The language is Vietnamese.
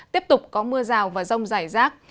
tiếp tục có mưa rào và rông rải rác